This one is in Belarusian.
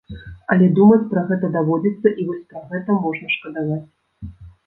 Але думаць пра гэта даводзіцца і вось пра гэта можна шкадаваць.